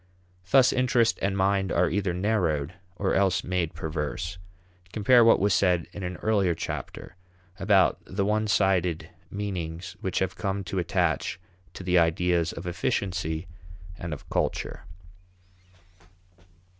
Thus interest and mind are either narrowed, or else made perverse. Compare what was said in an earlier chapter about the one sided meanings which have come to attach to the ideas of efficiency and of culture.